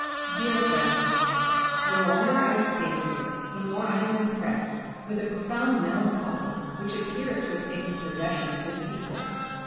Dear Friend : The longer I stay here the more I am impressed with the profound mel ancholy which appears to have taken possession of this people.